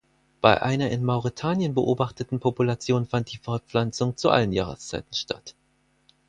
Bei einer in Mauretanien beobachteten Population fand die Fortpflanzung zu allen Jahreszeiten statt.